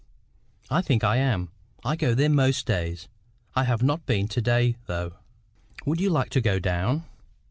"I think I am. I go there most days. I have not been to day, though. Would you like to go down?"